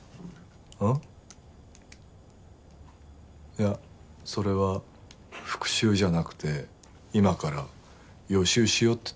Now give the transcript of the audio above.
いやそれは復習じゃなくて今から予習しようっつってるんだけど。